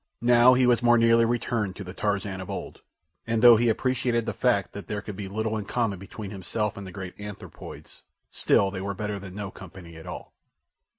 Now he was more nearly returned to the Tarzan of old, and though he appreciated the fact that there could be little in common between himself and the great anthropoids, still they were better than no company at all.